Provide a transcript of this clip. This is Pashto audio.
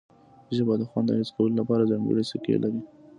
ژبه د خوند د حس کولو لپاره ځانګړي څکي لري